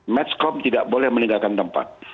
matchcom tidak boleh meninggalkan tempat